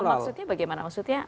paham maksudnya bagaimana maksudnya